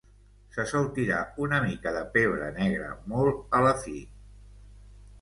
Se sol tirar una mica de pebre negre mòlt a la fi.